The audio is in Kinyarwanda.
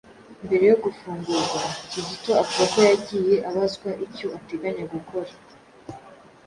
Mbere yo gufungurwa, Kizito avuga ko yagiye abazwa icyo ateganya gukora